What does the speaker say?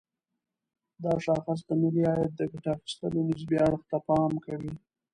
دا شاخص د ملي عاید د ګټه اخيستلو نسبي اړخ ته پام کوي.